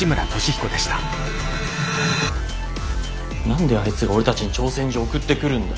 何であいつが俺たちに挑戦状送ってくるんだよ。